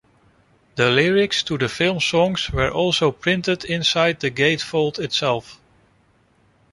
The lyrics to the film songs were also printed inside the gatefold itself.